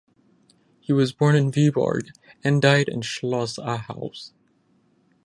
He was born in Viborg and died in Schloss Ahaus.